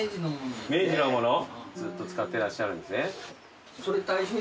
明治のものずっと使ってらっしゃるんですね。